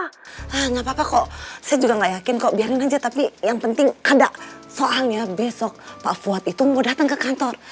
hah gapapa kok saya juga gak yakin kok biarin aja tapi yang penting kada soalnya besok pak fuad itu mau datang ke kantor